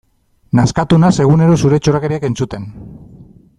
Nazkatu naiz egunero zure txorakeriak entzuten.